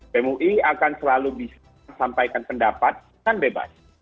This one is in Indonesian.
bem ui akan selalu bisa sampaikan pendapat dan bebas